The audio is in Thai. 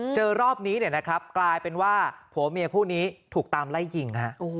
เจอรอบนี้กลายเป็นว่าผัวเมียผู้นี้ถูกตามไล่ยิง